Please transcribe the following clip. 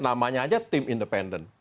namanya aja tim independen